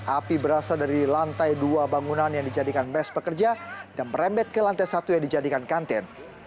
api berasal dari lantai dua bangunan yang dijadikan bes pekerja dan merembet ke lantai satu yang dijadikan kantin